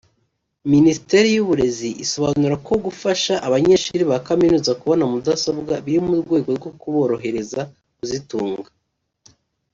Minisiteri y’Uburezi isobanura ko gufasha abanyeshuri ba Kaminuza kubona mudasobwa biri mu rwego rwo kuborohereza kuzitunga